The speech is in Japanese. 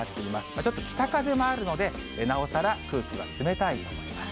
ちょっと北風もあるので、なおさら空気は冷たいと思います。